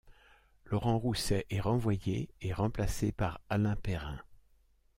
Laurent Roussey est renvoyé, et remplacé par Alain Perrin.